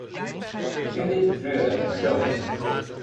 U kunt dit betreuren, maar zo is het.